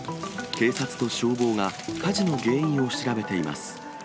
警察と消防が、火事の原因を調べています。